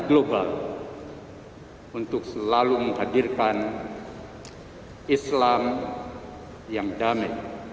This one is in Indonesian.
global untuk selalu menghadirkan islam yang damai